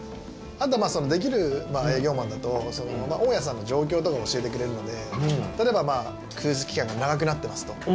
あと、できる営業マンだと大家さんの状況とか教えてくれるので例えば、空室期間が長くなってますと。